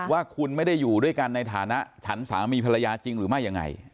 ว่าคุณไม่ได้อยู่ด้วยกันในฐานะฉันสามีภรรยาจริงหรือไม่ยังไง